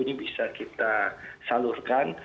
ini bisa kita salurkan